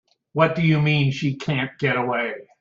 What do you mean she can't get away?